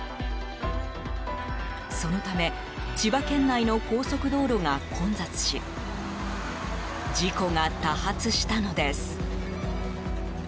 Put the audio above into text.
そのため千葉県内の高速道路が混雑し事故が多発したのです。